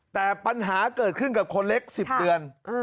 แต่ปัญหาเกิดขึ้นกับคนเล็ก๑๐เดือน